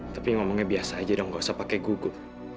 tapi ngomongnya biasa aja dong gak usah pakai gugup